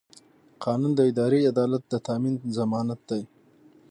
قانون د اداري عدالت د تامین ضمانت دی.